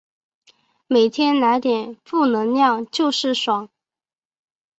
每天来点负能量就是爽